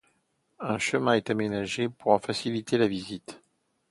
Un chemin est aménagé pour en faciliter la visite.